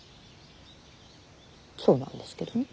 そうなんですけどね。